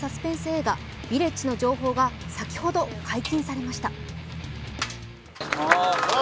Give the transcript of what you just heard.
映画「ヴィレッジ」の情報が先ほど解禁されました。